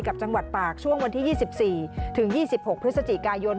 กับจังหวัดตากช่วงวันที่๒๔ถึง๒๖พฤศจิกายน